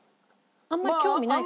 あんまり興味ない感じ。